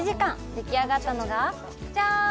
出来上がったのがジャーン！